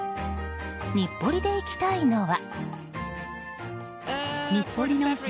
日暮里で行きたいのは。